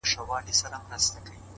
ګران وطنه دا هم زور د میني ستا دی،